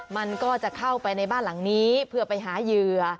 มันก็จะเข้าไปในบ้านหลังนี้เพื่อไปหาเหยื่อ